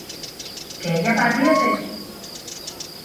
¿que ella partiese?